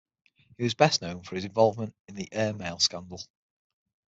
He was best known from his involvement in the Air Mail scandal.